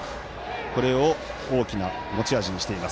これを大きな持ち味にしています